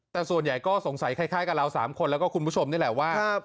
แต่ส่วนใหญ่ก็สงสัยคล้ายกับเรา๓คนแล้วก็คุณผู้ชมนี่แหละว่า